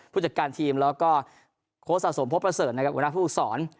ผู้จัดการทีมแล้วก็โค้ดสะสมพบระเสริญนะครับอุณหภูมิสอน